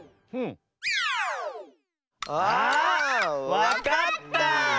わかった！